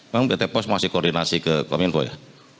memang pt pos masih koordinasi ke kominfo ya